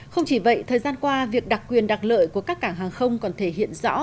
không chỉ vậy thời gian qua việc đặc quyền đặc lợi của các cảng hàng không còn thể hiện rõ